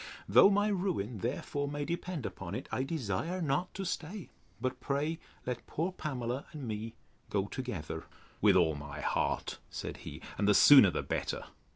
Though my ruin, therefore, may depend upon it, I desire not to stay; but pray let poor Pamela and me go together. With all my heart, said he; and the sooner the better.